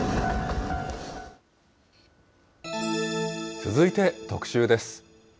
続いて特集です。